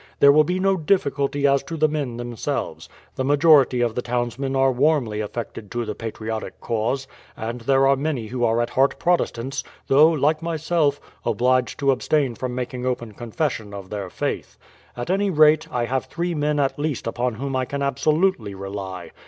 There will be no difficulty as to the men themselves. The majority of the townsmen are warmly affected to the patriotic cause, and there are many who are at heart Protestants; though, like myself, obliged to abstain from making open confession of their faith. At any rate, I have three men at least upon whom I can absolutely rely.